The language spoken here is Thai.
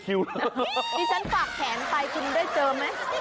ที่ว่าฉันฝากแขนไปคุณได้เจอไหม